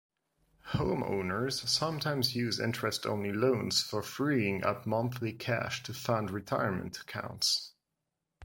Homeowners sometimes use interest-only loans for freeing up monthly cash to fund retirement accounts.